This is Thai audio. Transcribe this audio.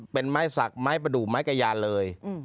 เป็นไม้สักไม้ประดูกไม้กระยานเลย